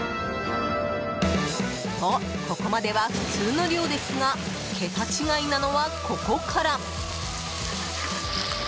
と、ここまでは普通の量ですが桁違いなのはここから。